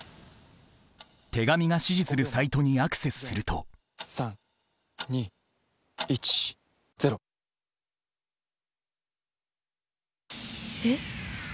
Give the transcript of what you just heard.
手紙が指示するサイトにアクセスすると３２１０。え。